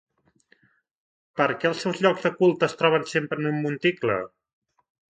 Per què els seus llocs de culte es troben sempre en un monticle?